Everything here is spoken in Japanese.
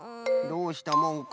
どうしたもんか。